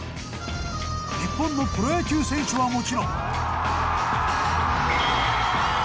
日本のプロ野球選手はもちろん。